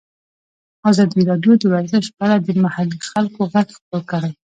ازادي راډیو د ورزش په اړه د محلي خلکو غږ خپور کړی.